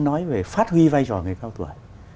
nói về phát huy vai trò người cao tuổi